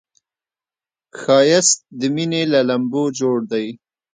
ښایست د مینې له لمبو جوړ دی